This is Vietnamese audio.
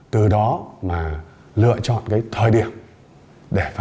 từ đó mà lựa chọn cái thời điểm để phá án một cách tốt nhất